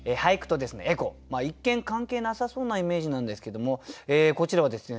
一見関係なさそうなイメージなんですけどもこちらはですね